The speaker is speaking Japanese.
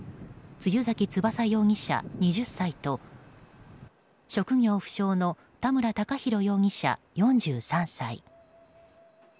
露崎翼容疑者、２０歳と職業不詳の田村孝広容疑者、４３歳。